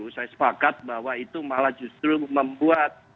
saya sepakat bahwa itu malah justru membuat